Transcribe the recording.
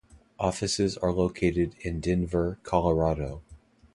Offices are located in Denver, Colorado.